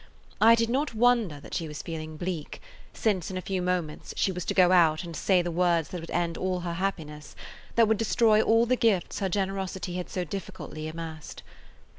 I did not wonder that she was feeling bleak, since in a few moments she was to go out and say the words that would end all her happiness, that would destroy all the gifts her generosity had so difficultly amassed.